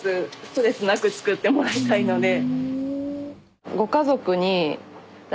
ストレスなく作ってもらいたいので。